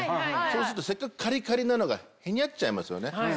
そうするとせっかくカリカリなのがへにゃっちゃいますよね。